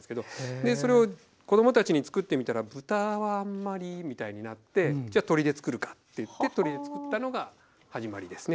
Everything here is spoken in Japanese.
でそれを子どもたちにつくってみたら豚はあんまりみたいになってじゃ鶏でつくるかっていって鶏でつくったのが始まりですね。